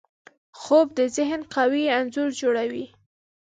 خوب د ذهن قوي انځور جوړوي